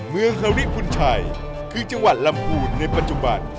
เมืองฮาริปุณธ์ชัยคือจังหวัดลำคูณในปัจจุบัน